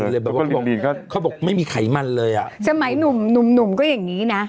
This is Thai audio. แล้วก็ลินลินก็เขาบอกไม่มีไขมันเลยอ่ะสมัยหนุ่มหนุ่มหนุ่มก็อย่างงี้น่ะ